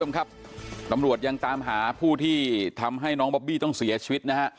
คุณผู้ชมครับตำรวจยังตามหาผู้ที่ทำให้น้องบอบบี้ต้องเสียชีวิตนะฮะ